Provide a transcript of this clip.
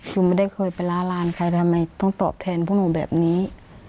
หนูไม่ได้เคยไปล้าลานใครทำไมต้องตอบแทนพวกหนูแบบนี้